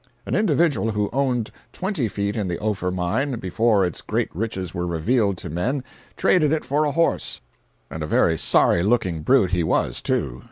An individual who owned twenty feet in the Ophir mine before its great riches were revealed to men, traded it for a horse, and a very sorry looking brute he was, too.